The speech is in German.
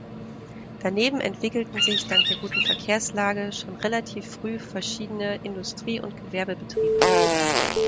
Daneben entwickelten sich dank der guten Verkehrslage schon relativ früh verschiedene Industrie- und Gewerbebetriebe.